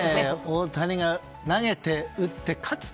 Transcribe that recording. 大谷が投げて、打って、勝つ。